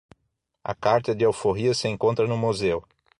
A carta de alforria se encontra no Museu